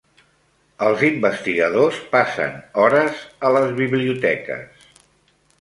Els investigadors passen hores a les biblioteques.